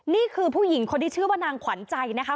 นี่คือผู้หญิงคนที่ชื่อว่านางขวัญใจนะคะ